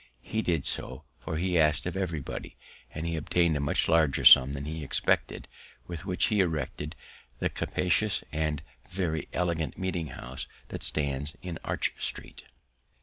He did so, for he ask'd of everybody, and he obtain'd a much larger sum than he expected, with which he erected the capacious and very elegant meeting house that stands in Arch street.